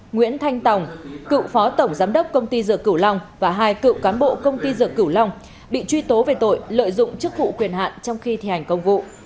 nguyễn thanh tòng cựu phó tổng giám đốc công ty dược cửu long và hai cựu cán bộ công ty dược cửu long bị truy tố về tội lợi dụng chức vụ quyền hạn trong khi thi hành công vụ